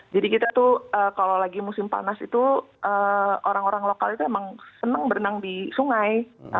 jadi kita tuh kalau lagi musim panas itu orang orang lokal itu emang senang berenang di sungai